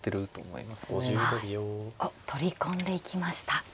おっ取り込んでいきました。